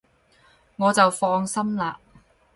我就放心喇